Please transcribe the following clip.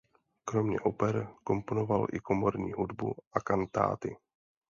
Kromě oper komponoval i komorní hudbu a kantáty.